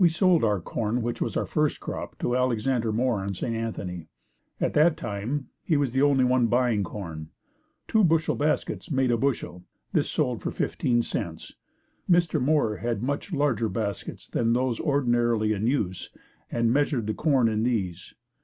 We sold our corn which was our first crop, to Alexander Moore in St. Anthony. At that time, he was the only one buying corn. Two bushel baskets made a bushel. This sold for 15c. Mr. Moore had much larger baskets than those ordinarily in use and measured the corn in these.